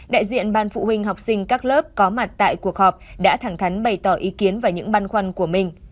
đại diện ban phụ huynh học sinh các lớp có mặt tại cuộc họp đã thẳng thắn bày tỏ ý kiến và những băn khoăn của mình